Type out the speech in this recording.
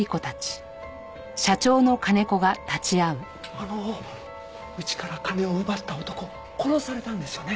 あのうちから金を奪った男殺されたんですよね？